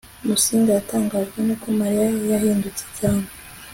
musinga yatangajwe nuko mariya yahindutse cyane